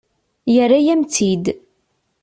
Yerra-yam-tt-id.